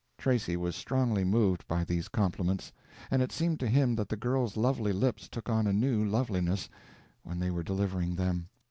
Tracy was strongly moved by these compliments, and it seemed to him that the girl's lovely lips took on a new loveliness when they were delivering them.